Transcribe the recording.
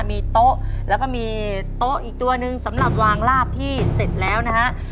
มีโต๊ะแล้วก็มีโต๊ะอีกตัวหนึ่งสำหรับวางลาบที่เสร็จแล้วนะฮะ